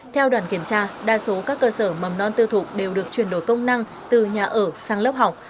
theo đoàn kiểm tra đa số các cơ sở mầm non tư thục đều được chuyển đổi công năng từ nhà ở sang lớp học